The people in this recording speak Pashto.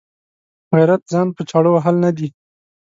غیرت ځان په چاړه وهل نه دي.